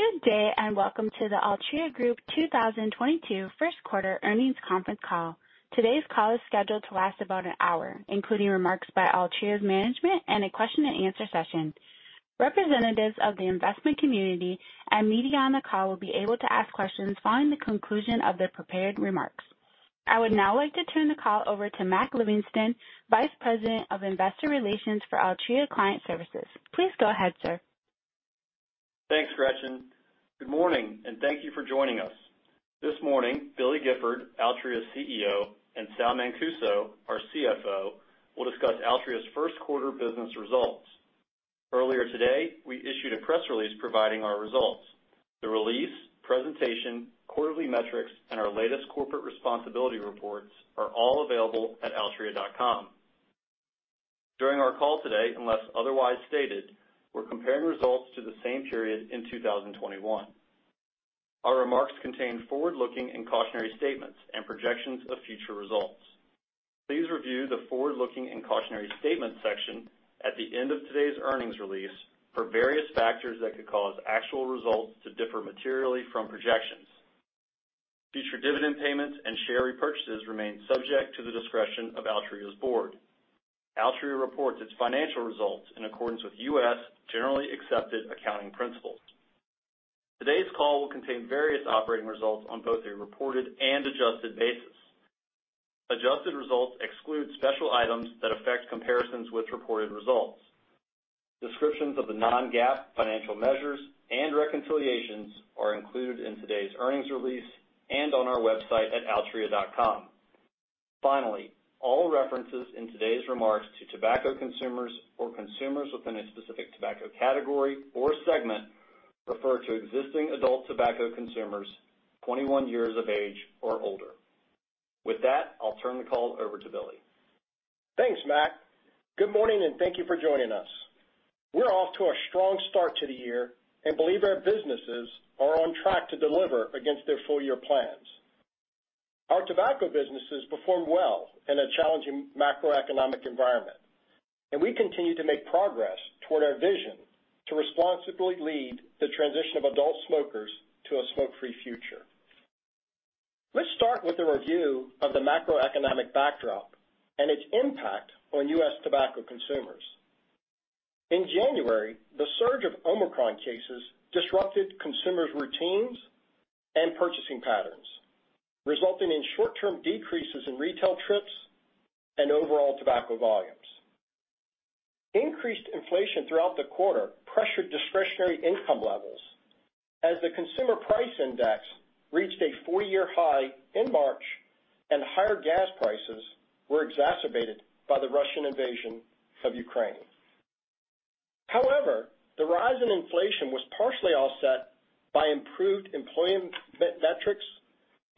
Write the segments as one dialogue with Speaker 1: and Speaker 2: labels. Speaker 1: Good day, and welcome to the Altria Group 2022 first quarter earnings conference call. Today's call is scheduled to last about an hour, including remarks by Altria's management and a question and answer session. Representatives of the investment community and media on the call will be able to ask questions following the conclusion of the prepared remarks. I would now like to turn the call over to Mac Livingston, Vice President of Investor Relations for Altria Client Services. Please go ahead, sir.
Speaker 2: Thanks, Gretchen. Good morning, and thank you for joining us. This morning, Billy Gifford, Altria's CEO, and Sal Mancuso, our CFO, will discuss Altria's first quarter business results. Earlier today, we issued a press release providing our results. The release, presentation, quarterly metrics, and our latest corporate responsibility reports are all available at altria.com. During our call today, unless otherwise stated, we're comparing results to the same period in 2021. Our remarks contain forward-looking and cautionary statements and projections of future results. Please review the forward-looking and cautionary statements section at the end of today's earnings release for various factors that could cause actual results to differ materially from projections. Future dividend payments and share repurchases remain subject to the discretion of Altria's board. Altria reports its financial results in accordance with U.S. generally accepted accounting principles. Today's call will contain various operating results on both a reported and adjusted basis. Adjusted results exclude special items that affect comparisons with reported results. Descriptions of the non-GAAP financial measures and reconciliations are included in today's earnings release and on our website at altria.com. Finally, all references in today's remarks to tobacco consumers or consumers within a specific tobacco category or segment refer to existing adult tobacco consumers 21 years of age or older. With that, I'll turn the call over to Billy.
Speaker 3: Thanks, Mac. Good morning, and thank you for joining us. We're off to a strong start to the year and believe our businesses are on track to deliver against their full-year plans. Our tobacco businesses perform well in a challenging macroeconomic environment, and we continue to make progress toward our vision to responsibly lead the transition of adult smokers to a smoke-free future. Let's start with a review of the macroeconomic backdrop and its impact on U.S. tobacco consumers. In January, the surge of Omicron cases disrupted consumers' routines and purchasing patterns, resulting in short-term decreases in retail trips and overall tobacco volumes. Increased inflation throughout the quarter pressured discretionary income levels as the Consumer Price Index reached a four-year high in March and higher gas prices were exacerbated by the Russian invasion of Ukraine. However, the rise in inflation was partially offset by improved employment metrics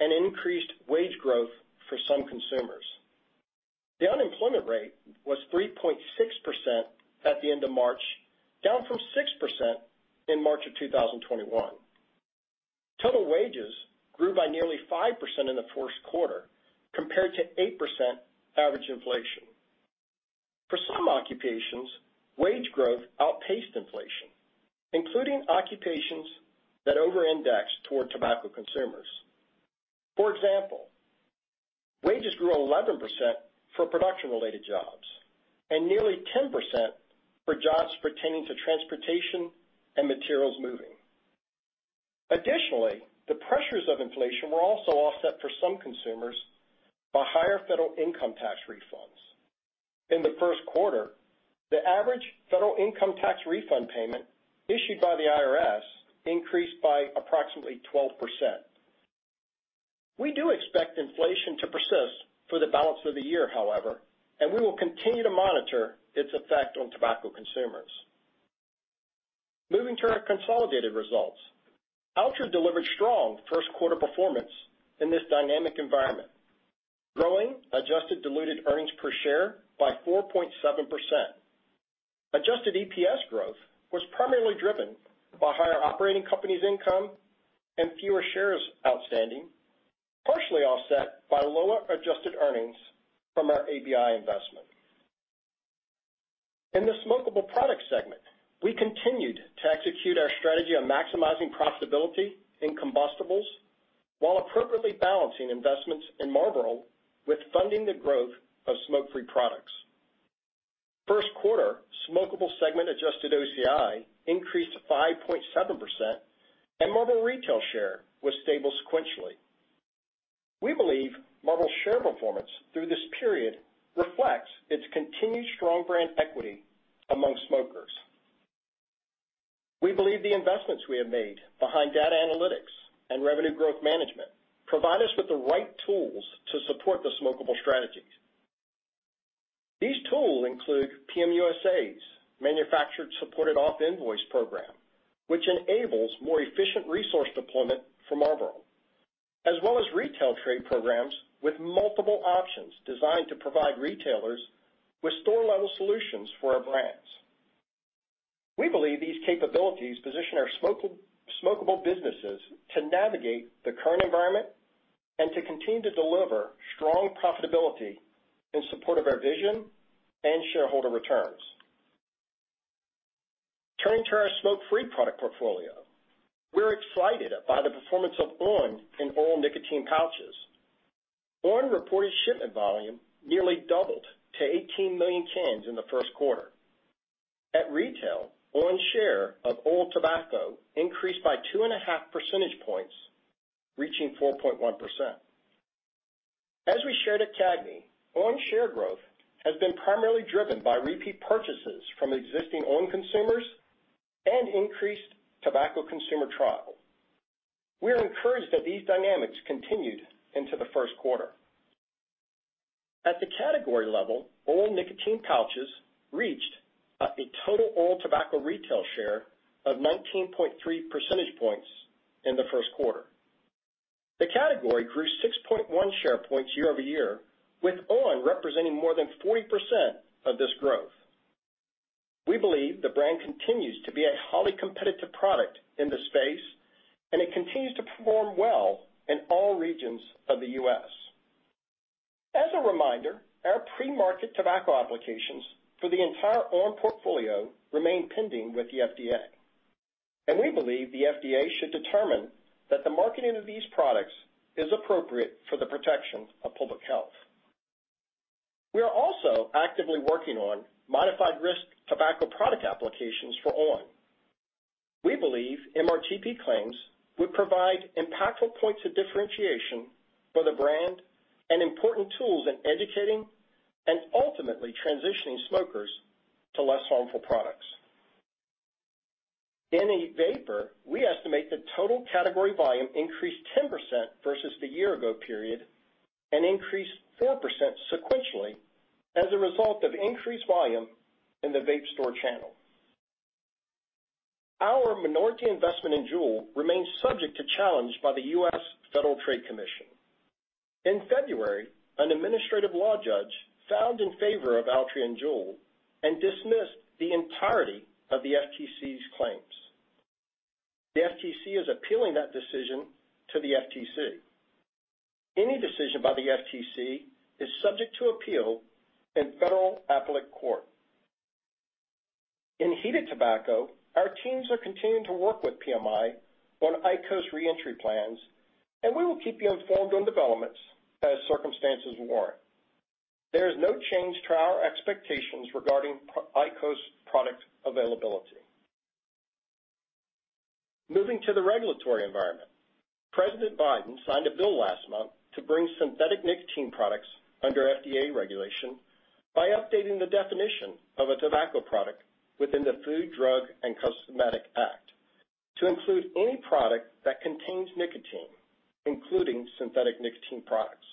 Speaker 3: and increased wage growth for some consumers. The unemployment rate was 3.6% at the end of March, down from 6% in March 2021. Total wages grew by nearly 5% in the first quarter compared to 8% average inflation. For some occupations, wage growth outpaced inflation, including occupations that over-index toward tobacco consumers. For example, wages grew 11% for production-related jobs and nearly 10% for jobs pertaining to transportation and materials moving. Additionally, the pressures of inflation were also offset for some consumers by higher federal income tax refunds. In the first quarter, the average federal income tax refund payment issued by the IRS increased by approximately 12%. We do expect inflation to persist for the balance of the year, however, and we will continue to monitor its effect on tobacco consumers. Moving to our consolidated results. Altria delivered strong first quarter performance in this dynamic environment, growing adjusted diluted earnings per share by 4.7%. Adjusted EPS growth was primarily driven by higher operating companies income and fewer shares outstanding, partially offset by lower adjusted earnings from our ABI investment. In the smokable product segment, we continued to execute our strategy on maximizing profitability in combustibles while appropriately balancing investments in Marlboro with funding the growth of smoke-free products. First quarter smokable segment adjusted OCI increased 5.7% and Marlboro retail share was stable sequentially. We believe Marlboro's share performance through this period reflects its continued strong brand equity among smokers. We believe the investments we have made behind data analytics and revenue growth management provide us with the right tools to support the smokable strategies. These tools include PM USA's manufacturer supported off-invoice program, which enables more efficient resource deployment for Marlboro, as well as retail trade programs with multiple options designed to provide retailers with store-level solutions for our brands. We believe these capabilities position our smokable businesses to navigate the current environment and to continue to deliver strong profitability in support of our vision and shareholder returns. Turning to our smoke-free product portfolio, we're excited about the performance of on! in oral nicotine pouches. on! reported shipment volume nearly doubled to 18 million cans in the first quarter. At retail, on! share of oral tobacco increased by 2.5 percentage points, reaching 4.1%. As we shared at CAGNY, on! share growth has been primarily driven by repeat purchases from existing on! consumers and increased tobacco consumer trial. We are encouraged that these dynamics continued into the first quarter. At the category level, oral nicotine pouches reached a total oral tobacco retail share of 19.3 percentage points in the first quarter. The category grew 6.1 share points year-over-year, with on! representing more than 40% of this growth. We believe the brand continues to be a highly competitive product in this space, and it continues to perform well in all regions of the U.S. As a reminder, our pre-market tobacco applications for the entire on! portfolio remain pending with the FDA, and we believe the FDA should determine that the marketing of these products is appropriate for the protection of public health. We are also actively working on modified risk tobacco product applications for on!. We believe MRTP claims would provide impactful points of differentiation for the brand and important tools in educating and ultimately transitioning smokers to less harmful products. In vapor, we estimate the total category volume increased 10% versus the year ago period and increased 4% sequentially as a result of increased volume in the vape store channel. Our minority investment in JUUL remains subject to challenge by the U.S. Federal Trade Commission. In February, an administrative law judge found in favor of Altria and JUUL and dismissed the entirety of the FTC's claims. The FTC is appealing that decision to the FTC. Any decision by the FTC is subject to appeal in federal appellate court. In heated tobacco, our teams are continuing to work with PMI on IQOS reentry plans, and we will keep you informed on developments as circumstances warrant. There is no change to our expectations regarding IQOS product availability. Moving to the regulatory environment. President Biden signed a bill last month to bring synthetic nicotine products under FDA regulation by updating the definition of a tobacco product within the Food, Drug, and Cosmetic Act to include any product that contains nicotine, including synthetic nicotine products.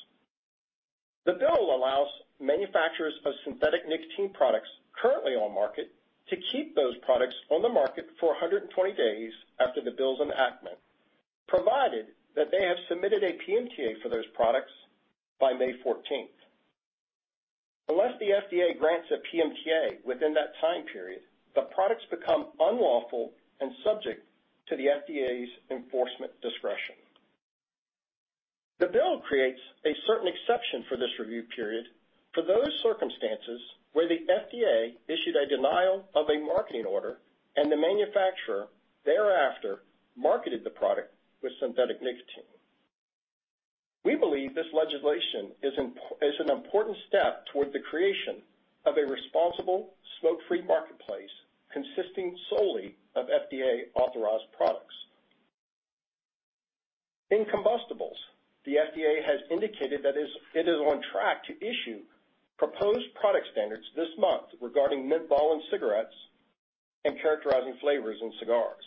Speaker 3: The bill allows manufacturers of synthetic nicotine products currently on the market to keep those products on the market for 120 days after the bill's enactment, provided that they have submitted a PMTA for those products by May 14th. Unless the FDA grants a PMTA within that time period, the products become unlawful and subject to the FDA's enforcement discretion. The bill creates a certain exception for this review period for those circumstances where the FDA issued a denial of a marketing order and the manufacturer thereafter marketed the product with synthetic nicotine. We believe this legislation is an important step toward the creation of a responsible smoke-free marketplace consisting solely of FDA-authorized products. In combustibles, the FDA has indicated it is on track to issue proposed product standards this month regarding menthol in cigarettes and characterizing flavors in cigars.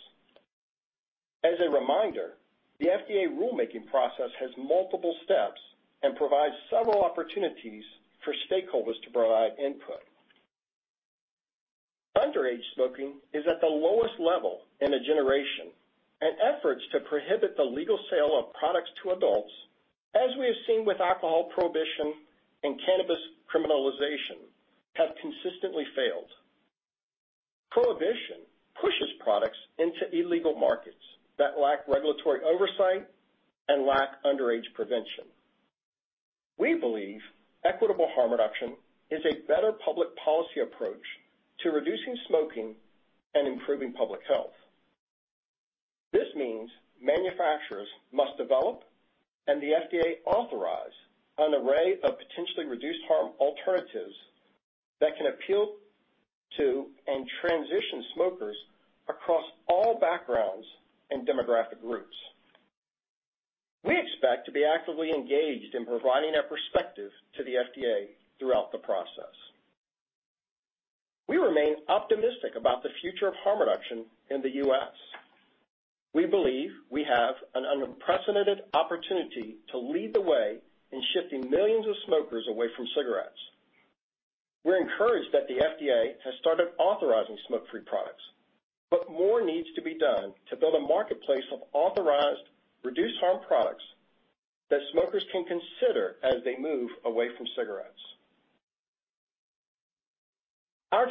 Speaker 3: As a reminder, the FDA rulemaking process has multiple steps and provides several opportunities for stakeholders to provide input. Underage smoking is at the lowest level in a generation, and efforts to prohibit the legal sale of products to adults, as we have seen with alcohol prohibition and cannabis criminalization, have consistently failed. Prohibition pushes products into illegal markets that lack regulatory oversight and lack underage prevention. We believe equitable harm reduction is a better public policy approach to reducing smoking and improving public health. This means manufacturers must develop and the FDA authorize an array of potentially reduced harm alternatives that can appeal to and transition smokers across all backgrounds and demographic groups. We expect to be actively engaged in providing our perspective to the FDA throughout the process. We remain optimistic about the future of harm reduction in the U.S. We believe we have an unprecedented opportunity to lead the way in shifting millions of smokers away from cigarettes. We're encouraged that the FDA has started authorizing smoke-free products, but more needs to be done to build a marketplace of authorized, reduced harm products that smokers can consider as they move away from cigarettes.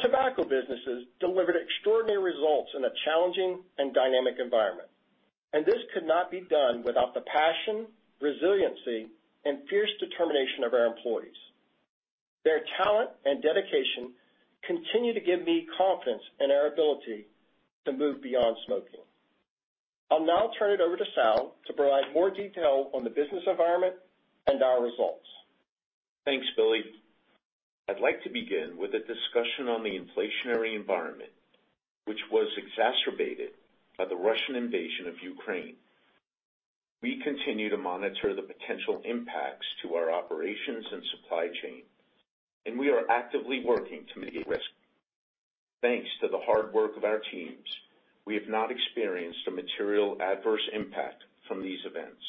Speaker 3: Tobacco businesses delivered extraordinary results in a challenging and dynamic environment. This could not be done without the passion, resiliency, and fierce determination of our employees. Their talent and dedication continue to give me confidence in our ability to move beyond smoking. I'll now turn it over to Sal to provide more detail on the business environment and our results.
Speaker 4: Thanks, Billy. I'd like to begin with a discussion on the inflationary environment, which was exacerbated by the Russian invasion of Ukraine. We continue to monitor the potential impacts to our operations and supply chain, and we are actively working to mitigate risk. Thanks to the hard work of our teams, we have not experienced a material adverse impact from these events.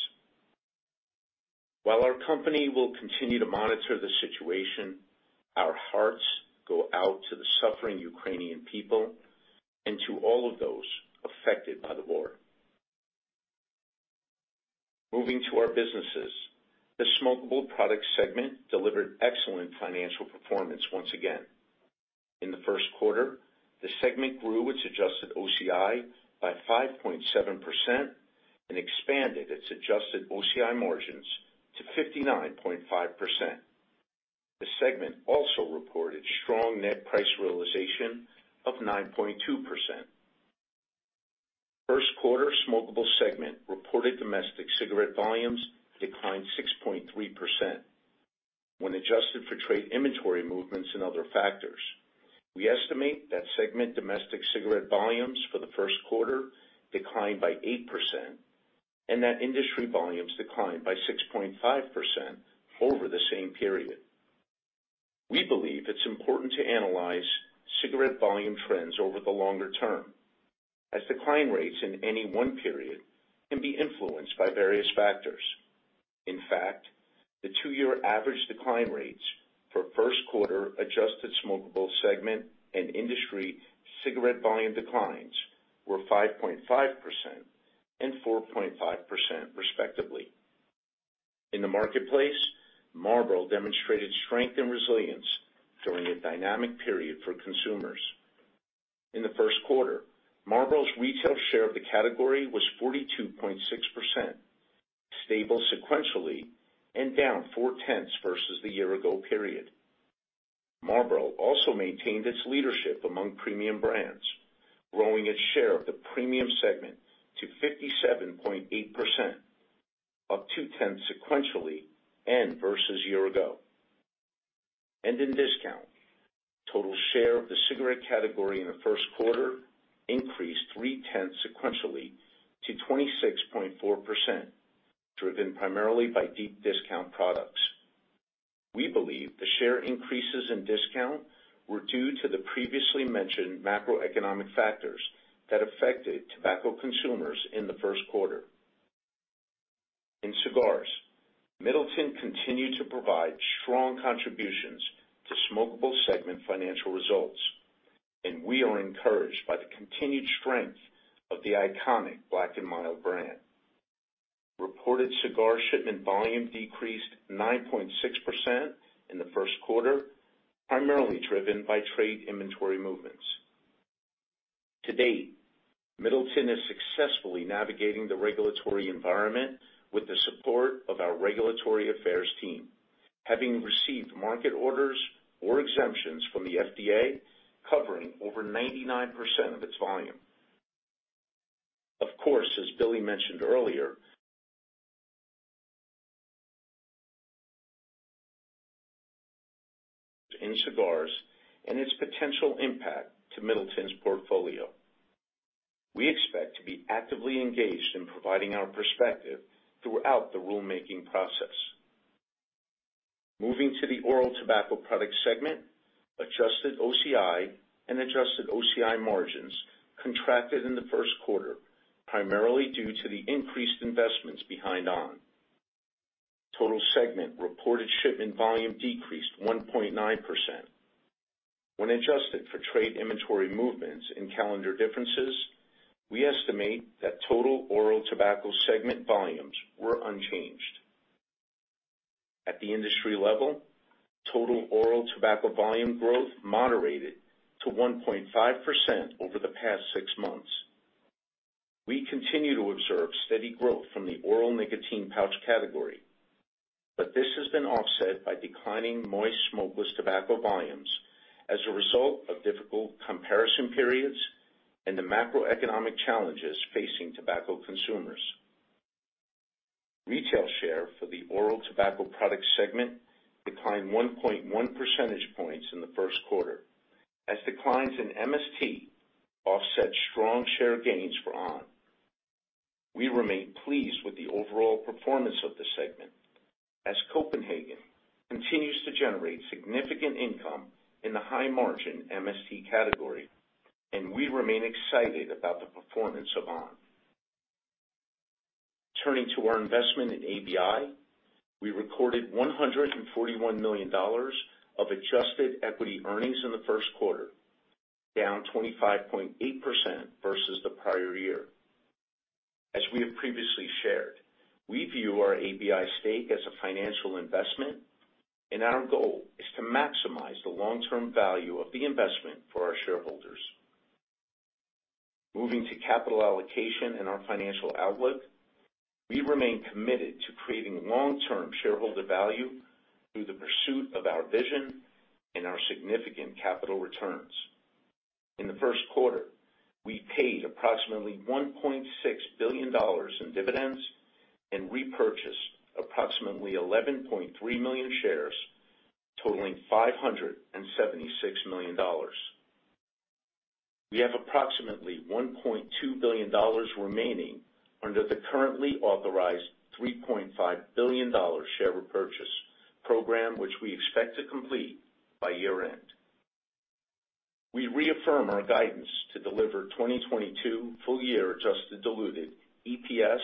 Speaker 4: While our company will continue to monitor the situation, our hearts go out to the suffering Ukrainian people and to all of those affected by the war. Moving to our businesses. The smokable product segment delivered excellent financial performance once again. In the first quarter, the segment grew its adjusted OCI by 5.7% and expanded its adjusted OCI margins to 59.5%. The segment also reported strong net price realization of 9.2%. First quarter smokable segment reported domestic cigarette volumes declined 6.3%. When adjusted for trade inventory movements and other factors, we estimate that segment domestic cigarette volumes for the first quarter declined by 8% and that industry volumes declined by 6.5% over the same period. We believe it's important to analyze cigarette volume trends over the longer term, as decline rates in any one period can be influenced by various factors. In fact, the two-year average decline rates for first quarter adjusted smokable segment and industry cigarette volume declines were 5.5% and 4.5% respectively. In the marketplace, Marlboro demonstrated strength and resilience during a dynamic period for consumers. In the first quarter, Marlboro's retail share of the category was 42.6%, stable sequentially and down 0.4 versus the year ago period. Marlboro also maintained its leadership among premium brands, growing its share of the premium segment to 57.8%, up 0.2 sequentially and versus year-ago. In discount, total share of the cigarette category in the first quarter increased 0.3 sequentially to 26.4%, driven primarily by deep discount products. We believe the share increases in discount were due to the previously mentioned macroeconomic factors that affected tobacco consumers in the first quarter. In cigars, Middleton continued to provide strong contributions to smokable segment financial results, and we are encouraged by the continued strength of the iconic Black & Mild brand. Reported cigar shipment volume decreased 9.6% in the first quarter, primarily driven by trade inventory movements. To date, Middleton is successfully navigating the regulatory environment with the support of our regulatory affairs team, having received market orders or exemptions from the FDA covering over 99% of its volume. Of course, as Billy mentioned earlier, in cigars and its potential impact to Middleton's portfolio. We expect to be actively engaged in providing our perspective throughout the rulemaking process. Moving to the oral tobacco product segment, adjusted OCI and adjusted OCI margins contracted in the first quarter, primarily due to the increased investments behind on. Total segment reported shipment volume decreased 1.9%. When adjusted for trade inventory movements and calendar differences, we estimate that total oral tobacco segment volumes were unchanged. At the industry level, total oral tobacco volume growth moderated to 1.5% over the past six months. We continue to observe steady growth from the oral nicotine pouch category, but this has been offset by declining moist smokeless tobacco volumes as a result of difficult comparison periods and the macroeconomic challenges facing tobacco consumers. Retail share for the oral tobacco product segment declined 1.1 percentage points in the first quarter as declines in MST offset strong share gains for on. We remain pleased with the overall performance of the segment as Copenhagen continues to generate significant income in the high-margin MST category, and we remain excited about the performance of on. Turning to our investment in ABI, we recorded $141 million of adjusted equity earnings in the first quarter, down 25.8% versus the prior year. As we have previously shared, we view our ABI stake as a financial investment, and our goal is to maximize the long-term value of the investment for our shareholders. Moving to capital allocation and our financial outlook, we remain committed to creating long-term shareholder value through the pursuit of our vision and our significant capital returns. In the first quarter, we paid approximately $1.6 billion in dividends and repurchased approximately 11.3 million shares, totaling $576 million. We have approximately $1.2 billion remaining under the currently authorized $3.5 billion share repurchase program, which we expect to complete by year-end. We reaffirm our guidance to deliver 2022 full year adjusted diluted EPS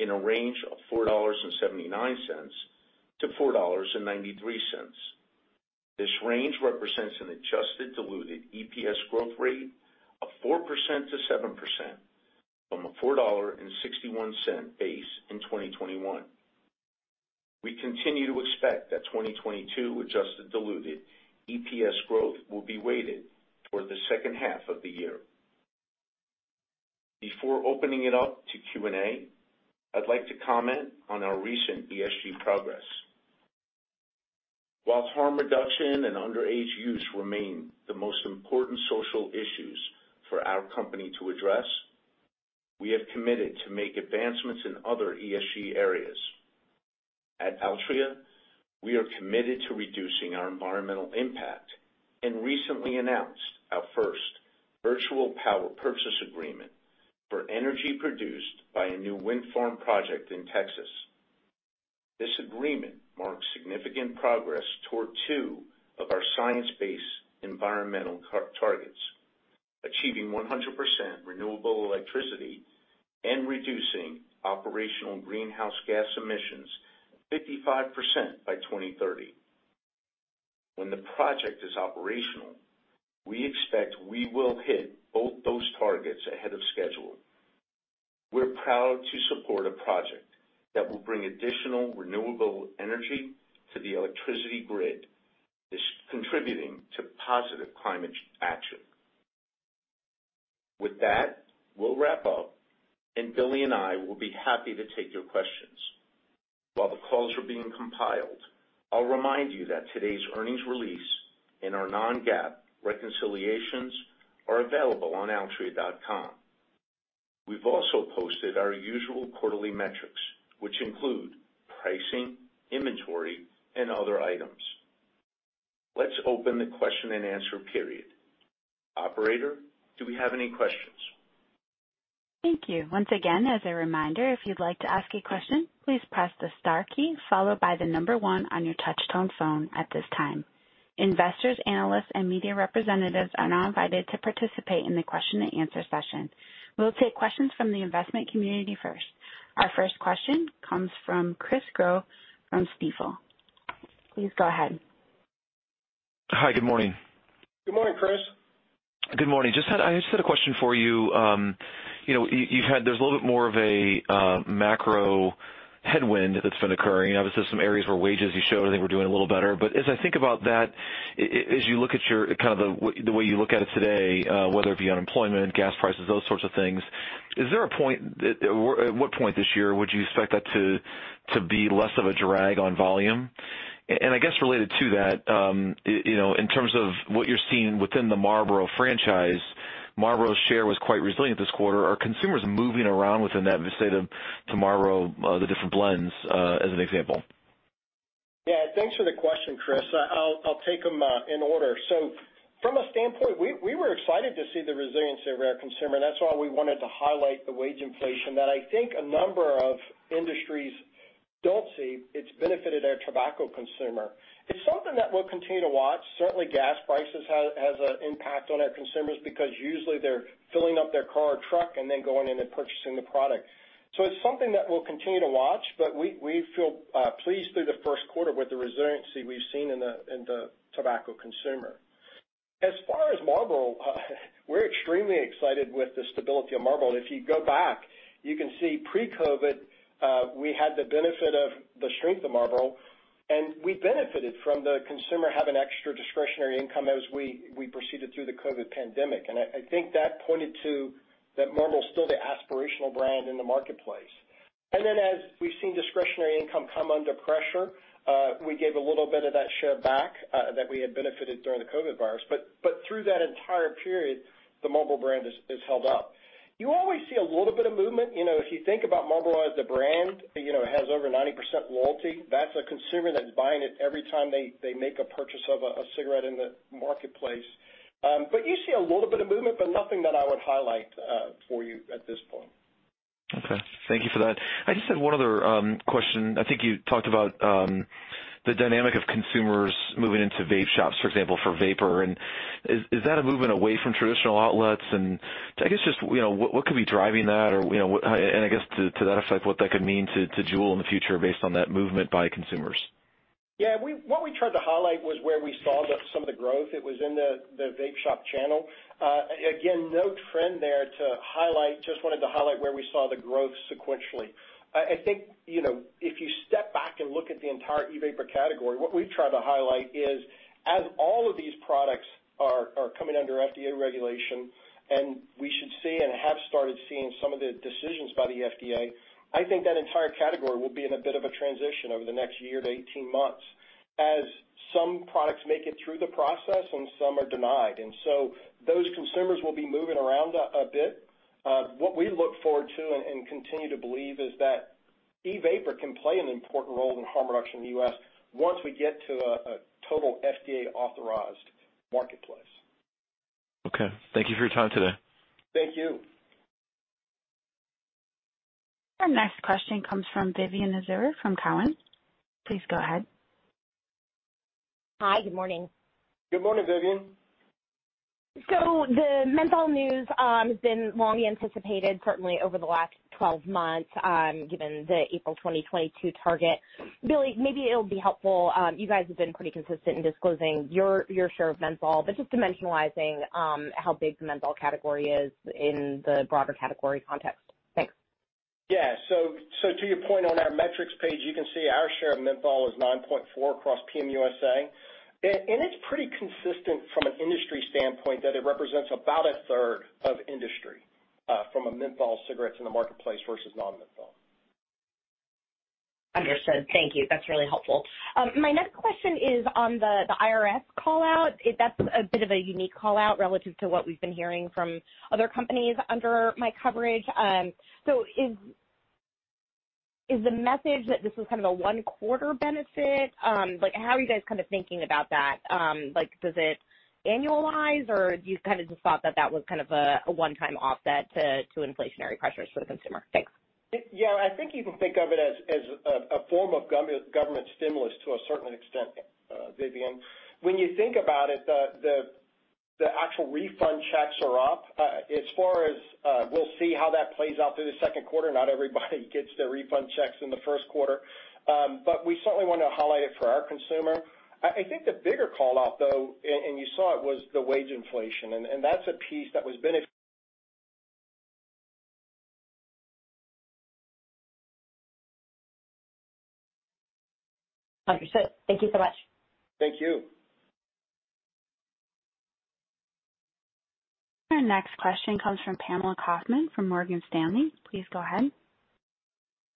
Speaker 4: in a range of $4.79-$4.93. This range represents an adjusted diluted EPS growth rate of 4%-7% from a $4.61 base in 2021. We continue to expect that 2022 adjusted diluted EPS growth will be weighted toward the second half of the year. Before opening it up to Q&A, I'd like to comment on our recent ESG progress. While harm reduction and underage use remain the most important social issues for our company to address, we have committed to make advancements in other ESG areas. At Altria, we are committed to reducing our environmental impact and recently announced our first virtual power purchase agreement for energy produced by a new wind farm project in Texas. This agreement marks significant progress toward two of our science-based environmental targets, achieving 100% renewable electricity and reducing operational greenhouse gas emissions 55% by 2030. When the project is operational, we expect we will hit both those targets ahead of schedule. We're proud to support a project that will bring additional renewable energy to the electricity grid, thus contributing to positive climate action. With that, we'll wrap up, and Billy and I will be happy to take your questions. While the calls are being compiled, I'll remind you that today's earnings release and our non-GAAP reconciliations are available on altria.com. We've also posted our usual quarterly metrics, which include pricing, inventory, and other items. Let's open the question-and-answer period. Operator, do we have any questions?
Speaker 1: Thank you. Once again, as a reminder, if you'd like to ask a question, please press the star key followed by the number one on your touchtone phone at this time. Investors, analysts, and media representatives are now invited to participate in the question-and-answer session. We'll take questions from the investment community first. Our first question comes from Chris Growe from Stifel. Please go ahead.
Speaker 5: Hi, good morning.
Speaker 4: Good morning, Chris.
Speaker 5: Good morning. I just had a question for you. You know, you've had. There's a little bit more of a macro headwind that's been occurring. Obviously, some areas where wages, you showed, I think we're doing a little better. As I think about that, as you look at your kind of the way you look at it today, whether it be unemployment, gas prices, those sorts of things, is there a point that, or at what point this year would you expect that to be less of a drag on volume? I guess related to that, you know, in terms of what you're seeing within the Marlboro franchise, Marlboro's share was quite resilient this quarter. Are consumers moving around within that, say, the Marlboro, the different blends, as an example?
Speaker 3: Yeah, thanks for the question, Chris. I'll take them in order. From a standpoint, we were excited to see the resiliency of our consumer. That's why we wanted to highlight the wage inflation that I think a number of industries don't see. It's benefited our tobacco consumer. It's something that we'll continue to watch. Certainly gas prices has an impact on our consumers because usually they're filling up their car or truck and then going in and purchasing the product. It's something that we'll continue to watch, but we feel pleased through the first quarter with the resiliency we've seen in the tobacco consumer. As far as Marlboro, we're extremely excited with the stability of Marlboro. If you go back, you can see pre-COVID, we had the benefit of the strength of Marlboro, and we benefited from the consumer having extra discretionary income as we proceeded through the COVID pandemic. I think that pointed to that Marlboro is still the aspirational brand in the marketplace. As we've seen discretionary income come under pressure, we gave a little bit of that share back that we had benefited during the COVID virus. Through that entire period, the Marlboro brand has held up. You always see a little bit of movement. You know, if you think about Marlboro as a brand, you know, it has over 90% loyalty. That's a consumer that's buying it every time they make a purchase of a cigarette in the marketplace. You see a little bit of movement, but nothing that I would highlight for you at this point.
Speaker 5: Okay. Thank you for that. I just had one other question. I think you talked about the dynamic of consumers moving into vape shops, for example, for vapor. Is that a movement away from traditional outlets? I guess just, you know, what could be driving that? Or, you know, and I guess to that effect, what that could mean to JUUL in the future based on that movement by consumers?
Speaker 3: Yeah, what we tried to highlight was where we saw some of the growth that was in the vape shop channel. Again, no trend there to highlight. Just wanted to highlight where we saw the growth sequentially. I think, you know, if you step back and look at the entire e-vapor category, what we've tried to highlight is as all of these products are coming under FDA regulation, and we should see and have started seeing some of the decisions by the FDA. I think that entire category will be in a bit of a transition over the next year to 18 months as some products make it through the process and some are denied. Those consumers will be moving around a bit. What we look forward to and continue to believe is that e-vapor can play an important role in harm reduction in the U.S. once we get to a total FDA-authorized marketplace.
Speaker 5: Okay. Thank you for your time today.
Speaker 3: Thank you.
Speaker 1: Our next question comes from Vivien Azer from Cowen. Please go ahead.
Speaker 6: Hi. Good morning.
Speaker 3: Good morning, Vivien.
Speaker 6: The menthol news has been long anticipated, certainly over the last 12 months, given the April 2022 target. Billy, maybe it'll be helpful, you guys have been pretty consistent in disclosing your share of menthol, but just dimensionalizing how big the menthol category is in the broader category context. Thanks.
Speaker 3: To your point, on our metrics page, you can see our share of menthol is 9.4 across PM USA. And it's pretty consistent from an industry standpoint that it represents about a third of industry, from a menthol cigarettes in the marketplace versus non-menthol.
Speaker 6: Understood. Thank you. That's really helpful. My next question is on the IRS call-out. That's a bit of a unique call-out relative to what we've been hearing from other companies under my coverage. Is the message that this was kind of a one-quarter benefit? Like, how are you guys kind of thinking about that? Like, does it annualize or you kind of just thought that was kind of a one-time offset to inflationary pressures for the consumer? Thanks.
Speaker 3: Yeah. I think you can think of it as a form of government stimulus to a certain extent, Vivien. When you think about it, the actual refund checks are up. As far as we'll see how that plays out through the second quarter. Not everybody gets their refund checks in the first quarter. We certainly wanna highlight it for our consumer. I think the bigger call-out, though, and you saw it, was the wage inflation. That's a piece that was bene-
Speaker 6: Understood. Thank you so much.
Speaker 3: Thank you.
Speaker 1: Our next question comes from Pamela Kaufman from Morgan Stanley. Please go ahead.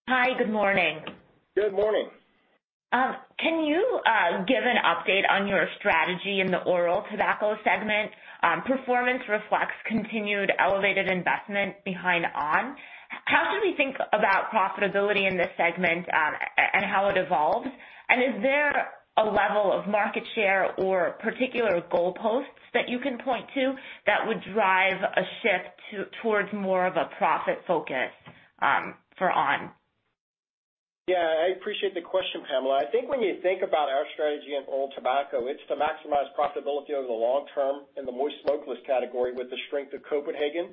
Speaker 7: Hi. Good morning.
Speaker 3: Good morning.
Speaker 7: Can you give an update on your strategy in the oral tobacco segment? Performance reflects continued elevated investment behind ON. How should we think about profitability in this segment, and how it evolves? Is there a level of market share or particular goalposts that you can point to that would drive a shift towards more of a profit focus for ON?
Speaker 3: Yeah, I appreciate the question, Pamela. I think when you think about our strategy in oral tobacco, it's to maximize profitability over the long term in the moist smokeless category with the strength of Copenhagen,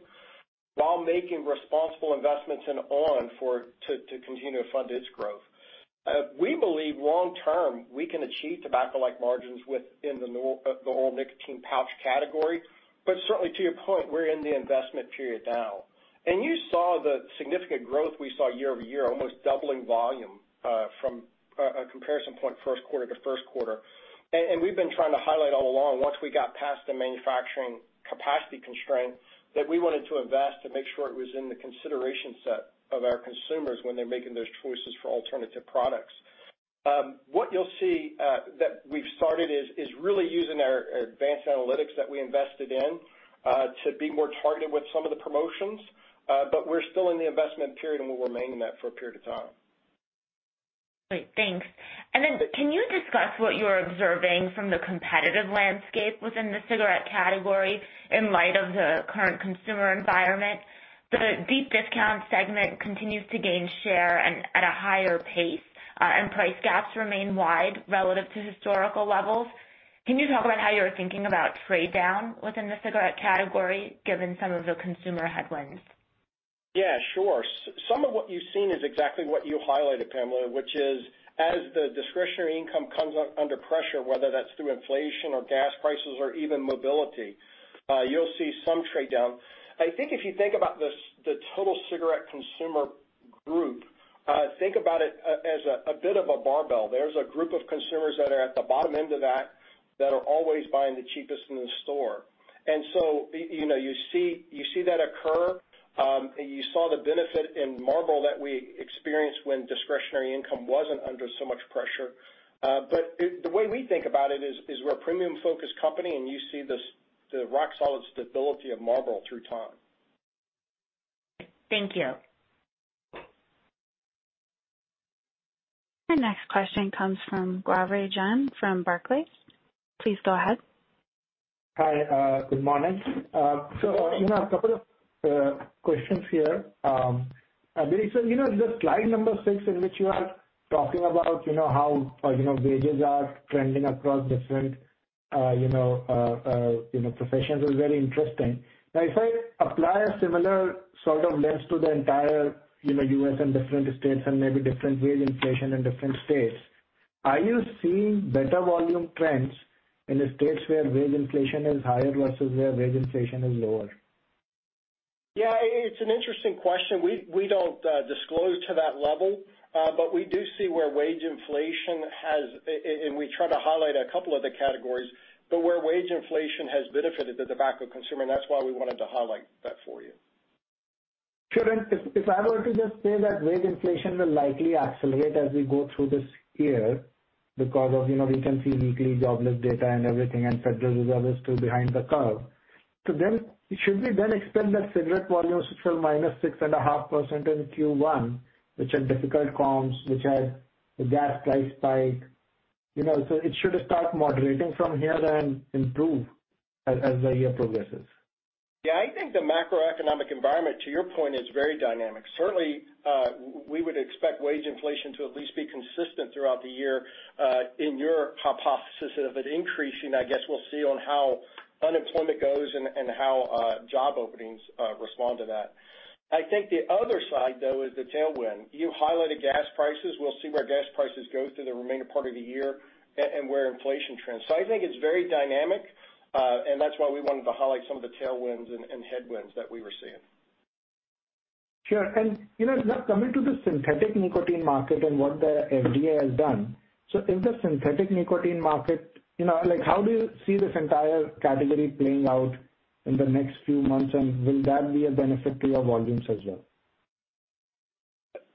Speaker 3: while making responsible investments in on! to continue to fund its growth. We believe long term, we can achieve tobacco-like margins within the new, the oral nicotine pouch category, but certainly, to your point, we're in the investment period now. You saw the significant growth we saw year-over-year, almost doubling volume, from a comparison point first quarter to first quarter. We've been trying to highlight all along, once we got past the manufacturing capacity constraint, that we wanted to invest to make sure it was in the consideration set of our consumers when they're making those choices for alternative products. What you'll see, that we've started is really using our advanced analytics that we invested in to be more targeted with some of the promotions. We're still in the investment period, and we'll remain in that for a period of time.
Speaker 7: Great. Thanks. Can you discuss what you're observing from the competitive landscape within the cigarette category in light of the current consumer environment? The deep discount segment continues to gain share and at a higher pace, and price gaps remain wide relative to historical levels. Can you talk about how you're thinking about trade down within the cigarette category, given some of the consumer headwinds?
Speaker 3: Yeah, sure. Some of what you've seen is exactly what you highlighted, Pamela, which is as the discretionary income comes under pressure, whether that's through inflation or gas prices or even mobility, you'll see some trade down. I think if you think about the total cigarette consumer group, think about it as a bit of a barbell. There's a group of consumers that are at the bottom end of that are always buying the cheapest in the store. You know, you see that occur. You saw the benefit in Marlboro that we experienced when discretionary income wasn't under so much pressure. The way we think about it is we're a premium-focused company, and you see the rock solid stability of Marlboro through time.
Speaker 7: Thank you.
Speaker 1: Our next question comes from Gaurav Jain from Barclays. Please go ahead.
Speaker 8: Hi. Good morning. You know, a couple of questions here. You know, the slide number six in which you are talking about, you know, how wages are trending across different, you know, you know, professions was very interesting. Now, if I apply a similar sort of lens to the entire, you know, U.S. and different states and maybe different wage inflation in different states, are you seeing better volume trends in the states where wage inflation is higher versus where wage inflation is lower?
Speaker 3: Yeah, it's an interesting question. We don't disclose to that level, but we do see where wage inflation has and we try to highlight a couple of the categories, but where wage inflation has benefited the tobacco consumer, and that's why we wanted to highlight that for you.
Speaker 8: Sure. If I were to just say that wage inflation will likely accelerate as we go through this year because of, you know, we can see weekly jobless data and everything, and Federal Reserve is still behind the curve, so then should we then expect that cigarette volumes which were -6.5% in Q1, which had difficult comps, which had the gas price spike, you know, so it should start moderating from here then improve as the year progresses?
Speaker 3: Yeah, I think the macroeconomic environment, to your point, is very dynamic. Certainly, we would expect wage inflation to at least be consistent throughout the year. In your hypothesis of it increasing, I guess we'll see on how unemployment goes and how job openings respond to that. I think the other side, though, is the tailwind. You highlighted gas prices. We'll see where gas prices go through the remainder part of the year and where inflation trends. I think it's very dynamic, and that's why we wanted to highlight some of the tailwinds and headwinds that we were seeing.
Speaker 8: Sure. You know, now coming to the synthetic nicotine market and what the FDA has done, how do you see this entire category playing out in the next few months, and will that be a benefit to your volumes as well?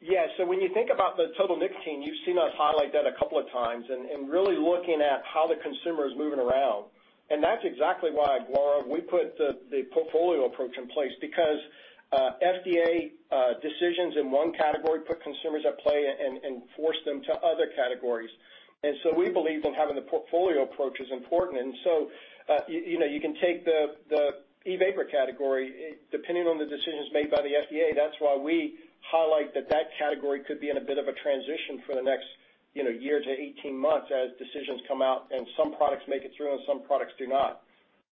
Speaker 3: Yeah. When you think about the total nicotine, you've seen us highlight that a couple of times and really looking at how the consumer is moving around. That's exactly why, Gaurav, we put the portfolio approach in place because FDA decisions in one category put consumers at play and force them to other categories. We believe having the portfolio approach is important. You know, you can take the e-vapor category, depending on the decisions made by the FDA, that's why we highlight that that category could be in a bit of a transition for the next year to 18 months as decisions come out and some products make it through and some products do not.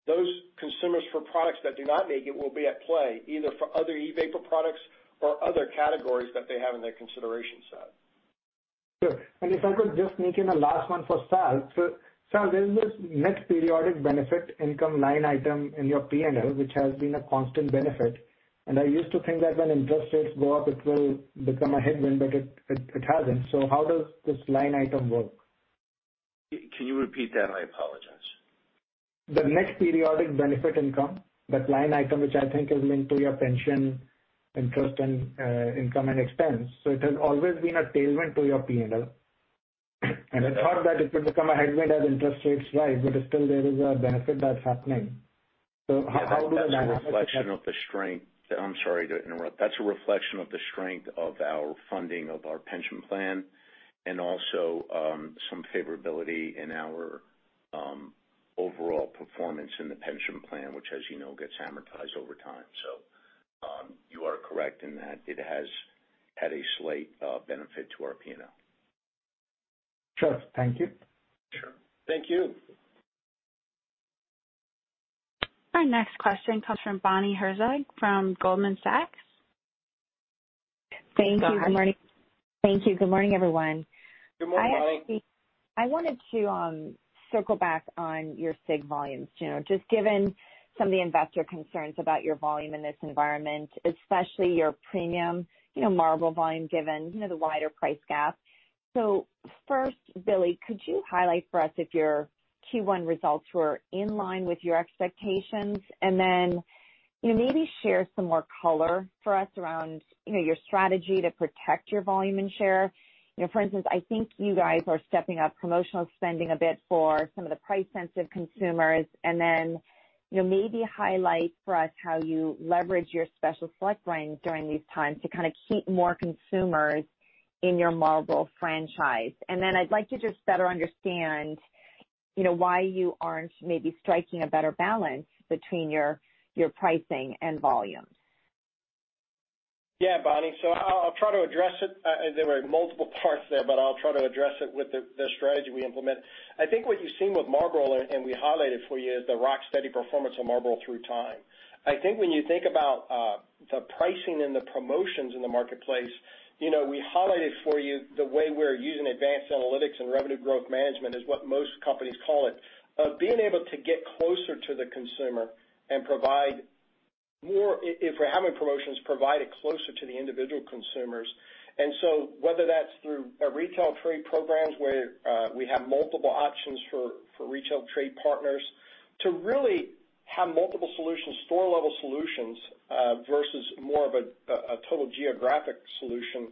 Speaker 3: Those consumers for products that do not make it will be at play, either for other e-vapor products or other categories that they have in their consideration set.
Speaker 8: Sure. If I could just sneak in a last one for Sal. Sal, there's this net periodic benefit income line item in your P&L, which has been a constant benefit. I used to think that when interest rates go up, it will become a headwind, but it hasn't. How does this line item work?
Speaker 4: Can you repeat that? I apologize.
Speaker 8: The net periodic benefit income, that line item which I think is linked to your pension interest and, income and expense. It has always been a tailwind to your P&L. I thought that it would become a headwind as interest rates rise, but still there is a benefit that's happening. How does that happen?
Speaker 4: I'm sorry to interrupt. That's a reflection of the strength of our funding of our pension plan and also some favorability in our overall performance in the pension plan, which, as you know, gets amortized over time. You are correct in that. It has had a slight benefit to our P&L.
Speaker 8: Sure. Thank you.
Speaker 4: Sure.
Speaker 3: Thank you.
Speaker 1: Our next question comes from Bonnie Herzog from Goldman Sachs.
Speaker 9: Thank you. Good morning.
Speaker 1: Go ahead.
Speaker 9: Thank you. Good morning, everyone.
Speaker 3: Good morning, Bonnie.
Speaker 9: I wanted to circle back on your cig volumes, you know, just given some of the investor concerns about your volume in this environment, especially your premium, you know, Marlboro volume, given, you know, the wider price gap. First, Billy, could you highlight for us if your Q1 results were in line with your expectations? Then, you know, maybe share some more color for us around, you know, your strategy to protect your volume and share. You know, for instance, I think you guys are stepping up promotional spending a bit for some of the price-sensitive consumers. Then, you know, maybe highlight for us how you leverage your Special Select brands during these times to kind of keep more consumers in your Marlboro franchise. I'd like to just better understand, you know, why you aren't maybe striking a better balance between your pricing and volumes.
Speaker 3: Yeah, Bonnie. I'll try to address it. There were multiple parts there, but I'll try to address it with the strategy we implement. I think what you've seen with Marlboro, and we highlighted for you, is the rock-steady performance of Marlboro through time. I think when you think about the pricing and the promotions in the marketplace, you know, we highlighted for you the way we're using advanced analytics and revenue growth management is what most companies call it. Being able to get closer to the consumer and provide more. If we're having promotions, provide it closer to the individual consumers. Whether that's through our retail trade programs, where we have multiple options for retail trade partners to really have multiple solutions, store-level solutions, versus more of a total geographic solution,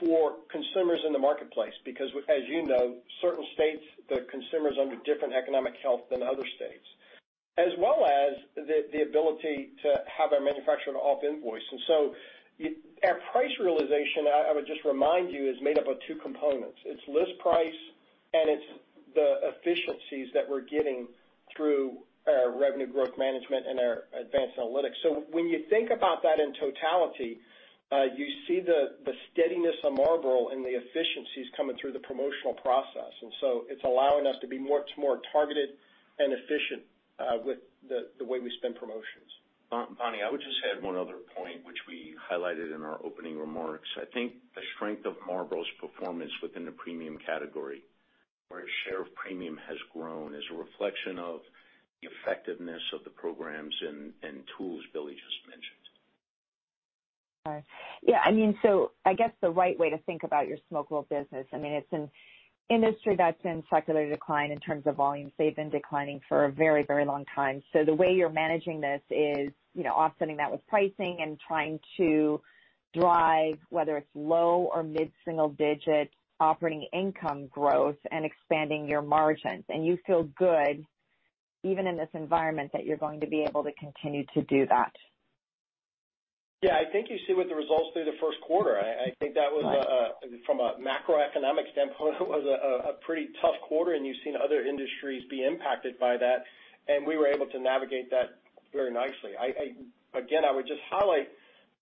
Speaker 3: for consumers in the marketplace, because as you know, certain states, the consumer's under different economic health than other states. As well as the ability to have our manufacturer off-invoice. At price realization, I would just remind you, is made up of two components. It's list price and it's the efficiencies that we're getting through revenue growth management and our advanced analytics. When you think about that in totality, you see the steadiness of Marlboro and the efficiencies coming through the promotional process. It's allowing us to be much more targeted and efficient with the way we spend promotions.
Speaker 4: Bonnie, I would just add one other point which we highlighted in our opening remarks. I think the strength of Marlboro's performance within the premium category, where its share of premium has grown, is a reflection of the effectiveness of the programs and tools Billy just mentioned.
Speaker 9: All right. Yeah, I mean, so I guess the right way to think about your smokeable business, I mean, it's an industry that's in secular decline in terms of volumes. They've been declining for a very, very long time. The way you're managing this is, you know, offsetting that with pricing and trying to drive whether it's low or mid-single digit operating income growth and expanding your margins. You feel good, even in this environment, that you're going to be able to continue to do that.
Speaker 3: Yeah, I think you see with the results through the first quarter. I think that was from a macroeconomic standpoint a pretty tough quarter, and you've seen other industries be impacted by that, and we were able to navigate that very nicely. Again, I would just highlight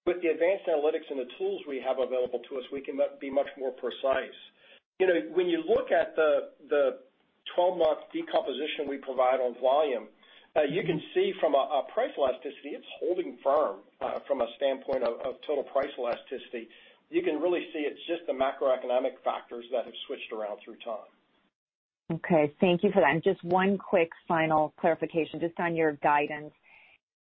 Speaker 3: with the advanced analytics and the tools we have available to us, we can be much more precise. You know, when you look at the 12-month decomposition we provide on volume, you can see from a price elasticity, it's holding firm, from a standpoint of total price elasticity. You can really see it's just the macroeconomic factors that have switched around through time.
Speaker 9: Okay. Thank you for that. Just one quick final clarification just on your guidance.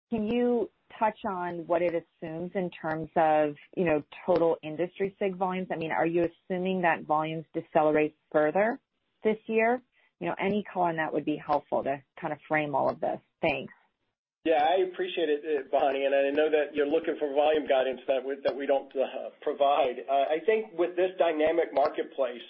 Speaker 9: Can you touch on what it assumes in terms of, you know, total industry CIG volumes? I mean, are you assuming that volumes decelerate further this year? You know, any call on that would be helpful to kind of frame all of this. Thanks.
Speaker 3: Yeah, I appreciate it, Bonnie, and I know that you're looking for volume guidance that we don't provide. I think with this dynamic marketplace,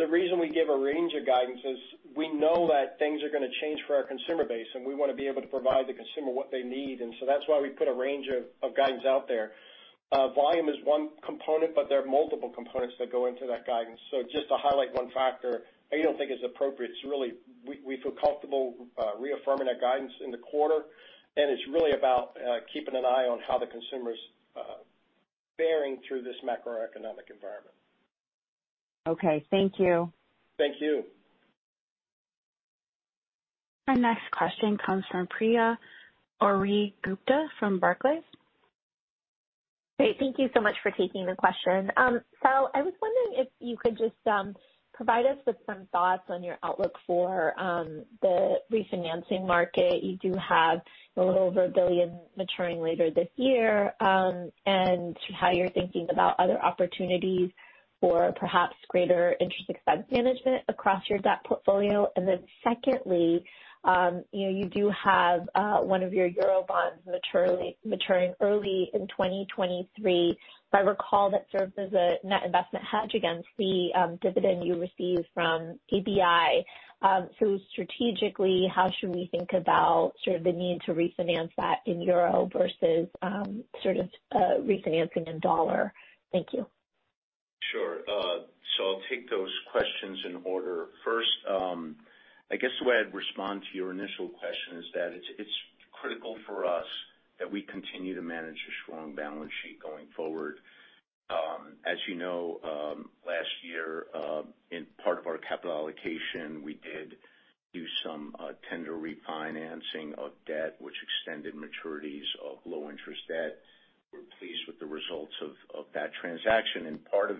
Speaker 3: the reason we give a range of guidance is we know that things are gonna change for our consumer base, and we wanna be able to provide the consumer what they need. That's why we put a range of guidance out there. Volume is one component, but there are multiple components that go into that guidance. Just to highlight one factor, I don't think is appropriate. Really we feel comfortable reaffirming that guidance in the quarter, and it's really about keeping an eye on how the consumer's bearing through this macroeconomic environment.
Speaker 9: Okay. Thank you.
Speaker 3: Thank you.
Speaker 1: Our next question comes from Priya Ohri-Gupta from Barclays.
Speaker 10: Great. Thank you so much for taking the question. So I was wondering if you could just provide us with some thoughts on your outlook for the refinancing market. You do have a little over $1 billion maturing later this year, and how you're thinking about other opportunities for perhaps greater interest expense management across your debt portfolio. Secondly, you know, you do have one of your euro bonds maturing early in 2023. If I recall, that serves as a net investment hedge against the dividend you receive from ABI. Strategically, how should we think about sort of the need to refinance that in euro versus sort of refinancing in dollar? Thank you.
Speaker 4: Sure. So I'll take those questions in order. First, I guess the way I'd respond to your initial question is that it's critical for us that we continue to manage a strong balance sheet going forward. As you know, last year, in part of our capital allocation, we did do some tender refinancing of debt, which extended maturities of low interest debt. We're pleased with the results of that transaction, and part of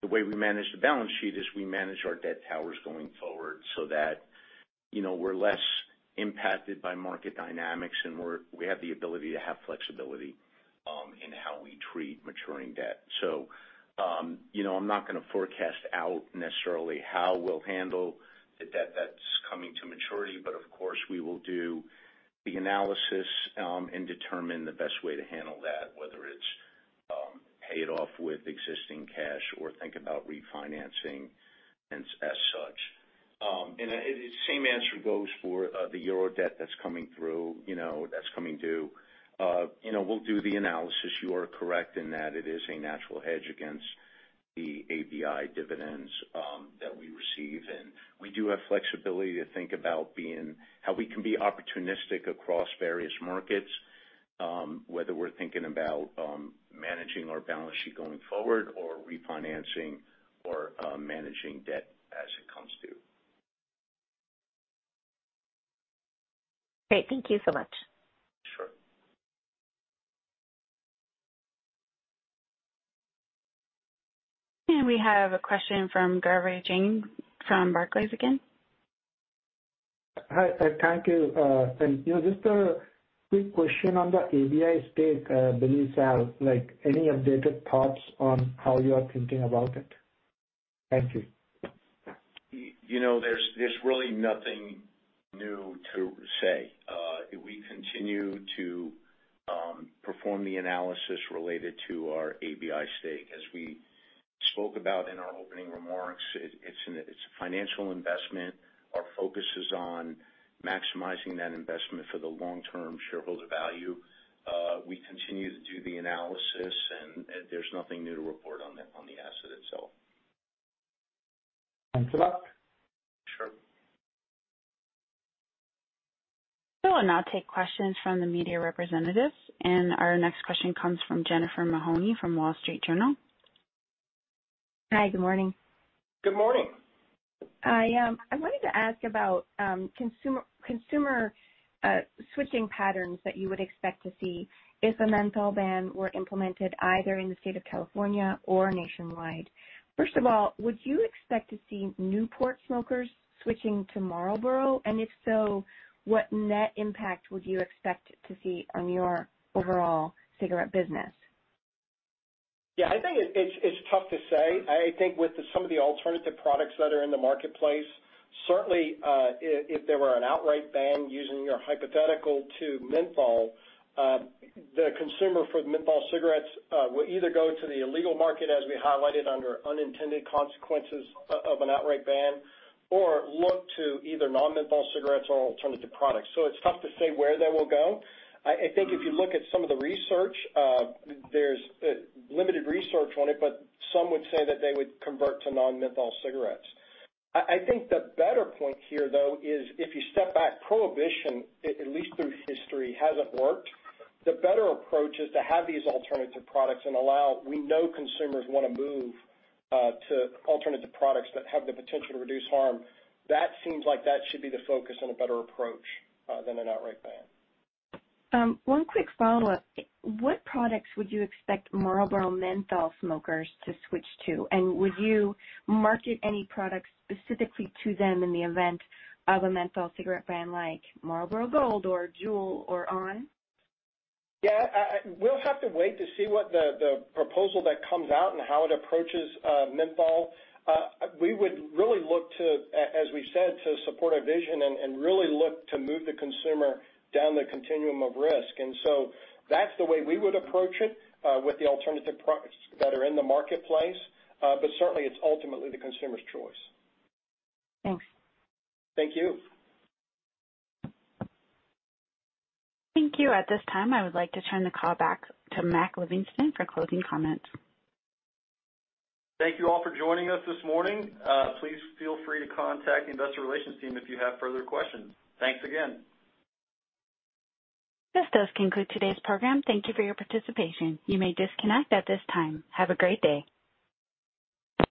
Speaker 4: the way we manage the balance sheet is we manage our debt towers going forward so that, you know, we're less impacted by market dynamics and we have the ability to have flexibility in how we treat maturing debt. You know, I'm not gonna forecast out necessarily how we'll handle the debt that's coming to maturity, but of course, we will do the analysis and determine the best way to handle that, whether it's pay it off with existing cash or think about refinancing as such. And the same answer goes for the euro debt that's coming through, you know, that's coming due. You know, we'll do the analysis. You are correct in that it is a natural hedge against the ABI dividends that we receive. We do have flexibility to think about how we can be opportunistic across various markets, whether we're thinking about managing our balance sheet going forward or refinancing or managing debt as it comes due.
Speaker 10: Great. Thank you so much.
Speaker 4: Sure.
Speaker 1: We have a question from Gaurav Jain from Barclays again.
Speaker 8: Hi. Thank you. You know, just a quick question on the ABI stake, Billy, Sal. Like, any updated thoughts on how you are thinking about it? Thank you.
Speaker 4: You know, there's really nothing new to say. We continue to perform the analysis related to our ABI stake. As we spoke about in our opening remarks, it's a financial investment. Our focus is on maximizing that investment for the long-term shareholder value. We continue to do the analysis and there's nothing new to report on the asset itself.
Speaker 8: Thanks a lot.
Speaker 4: Sure.
Speaker 1: Cool. I'll now take questions from the media representatives. Our next question comes from Jennifer Maloney from The Wall Street Journal.
Speaker 11: Hi. Good morning.
Speaker 3: Good morning.
Speaker 11: I wanted to ask about consumer switching patterns that you would expect to see if a menthol ban were implemented either in the state of California or nationwide. First of all, would you expect to see Newport smokers switching to Marlboro? If so, what net impact would you expect to see on your overall cigarette business?
Speaker 3: Yeah, I think it's tough to say. I think with some of the alternative products that are in the marketplace, certainly, if there were an outright ban using your hypothetical to menthol, the consumer for the menthol cigarettes, will either go to the illegal market as we highlighted under unintended consequences of an outright ban or look to either non-menthol cigarettes or alternative products. It's tough to say where they will go. I think if you look at some of the research, there's limited research on it, but some would say that they would convert to non-menthol cigarettes. I think the better point here, though, is if you step back, prohibition, at least through history, hasn't worked. The better approach is to have these alternative products and allow. We know consumers wanna move to alternative products that have the potential to reduce harm. That seems like that should be the focus and a better approach than an outright ban.
Speaker 11: One quick follow-up. What products would you expect Marlboro menthol smokers to switch to? Would you market any products specifically to them in the event of a menthol cigarette ban, like Marlboro Gold or JUUL or ON?
Speaker 3: We'll have to wait to see what the proposal that comes out and how it approaches menthol. We would really look to, as we said, to support our vision and really look to move the consumer down the continuum of risk. That's the way we would approach it with the alternative products that are in the marketplace. Certainly it's ultimately the consumer's choice.
Speaker 11: Thanks.
Speaker 3: Thank you.
Speaker 1: Thank you. At this time, I would like to turn the call back to Mac Livingston for closing comments.
Speaker 2: Thank you all for joining us this morning. Please feel free to contact the investor relations team if you have further questions. Thanks again.
Speaker 1: This does conclude today's program. Thank you for your participation. You may disconnect at this time. Have a great day.